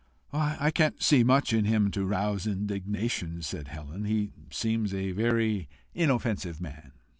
"I can't see much in him to rouse indignation," said Helen. "He seems a very inoffensive man."